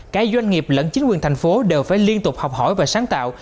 cả doanh nghiệp lẫn chính quyền thành phố đều phải liên tục học hỏi và sáng tạo